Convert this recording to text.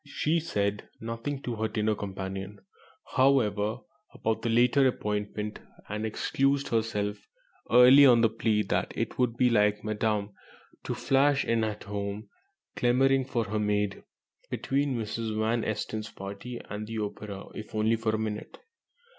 She said nothing to her dinner companion, however, about the later appointment, and excused herself early on the plea that it would be "like Madame to flash in at home, clamouring for her maid, between Mrs. Van Esten's party and the opera, if only for a minute."